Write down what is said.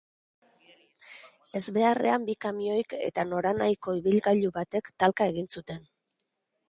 Ezbeharrean bi kamioik eta noranahiko ibilgailu batek talka egin zuten.